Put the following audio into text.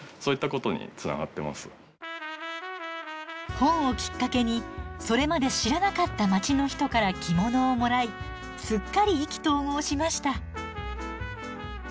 本をきっかけにそれまで知らなかった街の人から着物をもらいすっかり意気投合しました。